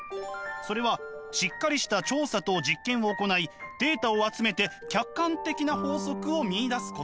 それはしっかりした調査と実験を行いデータを集めて客観的な法則を見いだすこと。